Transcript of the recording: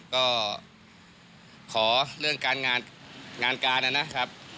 ก็ขอเรื่องการงานการนะครับ